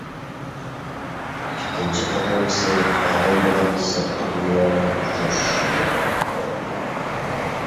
ئىككىنچى قېتىمقىسى ئادەم بىلەن سىرتقى دۇنيانىڭ ئۇچرىشىشىدۇر.